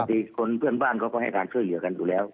ดีคนเพื่อนบ้านเขาก็ให้การช่วยเหลือกันอยู่แล้ว